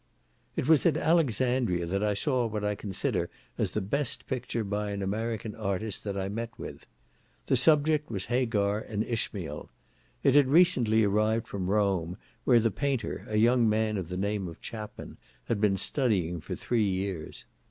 It was at Alexandria that I saw what I consider as the best picture by an American artist that I met with. The subject was Hagar and Ishmael. It had recently arrived from Rome, where the painter, a young man of the name of Chapman, had been studying for three years.